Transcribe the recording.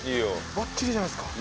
バッチリじゃないですか。